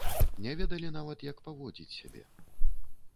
Не ведалі нават, як паводзіць сябе.